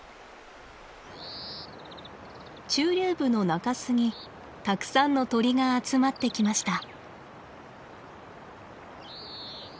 中流部の中州にたくさんの鳥が集まってきました。